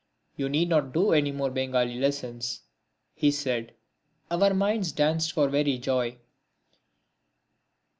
"You need not do any more Bengali lessons," he said. Our minds danced for very joy.